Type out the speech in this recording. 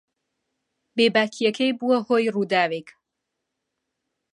بێباکییەکەی بووە هۆی ڕووداوێک.